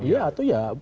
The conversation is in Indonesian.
ya itu ya